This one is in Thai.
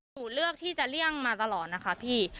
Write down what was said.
หนูเลือกที่จะเลี่ยงมาตลอดนะคะพี่